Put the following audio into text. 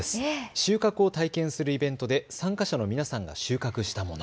収穫を体験するイベントで参加者の皆さんが収穫したもの。